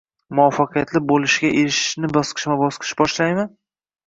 Muvaffaqiyatli bo’lishga erishishni bosqichma-bosqich boshlaymi